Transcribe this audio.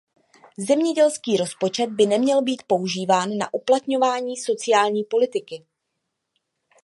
Zemědělský rozpočet by neměl být používán na uplatňování sociální politiky.